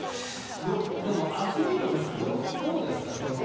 でも、アスリートとしてどうですか。